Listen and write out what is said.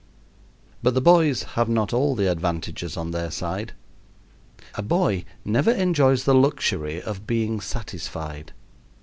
But the boys have not all the advantages on their side. A boy never enjoys the luxury of being satisfied.